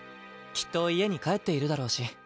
きっと家に帰っているだろうし。